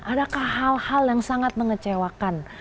adakah hal hal yang sangat mengecewakan